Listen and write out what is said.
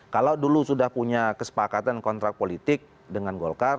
kalau dulu sudah punya kesepakatan kontrak politik dengan golkar